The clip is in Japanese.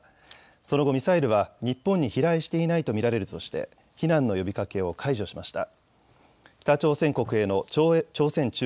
その後、ミサイルは日本に飛来していないと見られるとして、避難の呼びかけを解除しました。